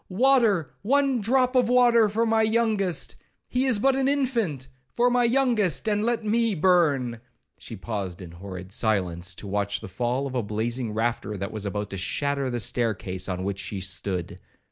—Water, one drop of water for my youngest—he is but an infant—for my youngest, and let me burn!' She paused in horrid silence, to watch the fall of a blazing rafter that was about to shatter the stair case on which she stood.